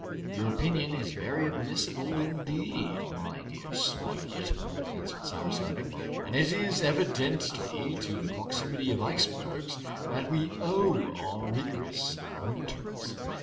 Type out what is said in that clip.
"Your opinion is very admissible indeed, my dear Spilett," answered Cyrus Harding, "and it is evidently to the proximity of icebergs that we owe our rigorous winters.